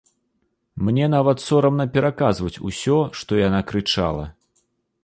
Мне нават сорамна пераказваць усё, што яна крычала.